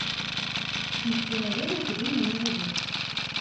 Ніхто не ведаў, куды мяне вядуць.